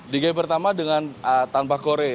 di game pertama dengan tanpa korea